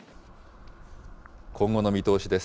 今後の見通しです。